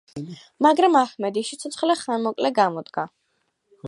მაგრამ აჰმედის სიცოცხლე ხანმოკლე გამოდგა.